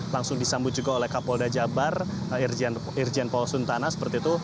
langsung disambut juga oleh kapol dajabar irjian polsuntana seperti itu